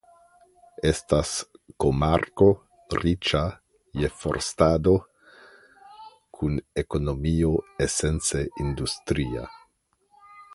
Estas komarko riĉa je forstado kun ekonomio esence industria.